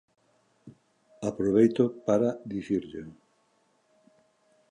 Aproveito para dicirllo.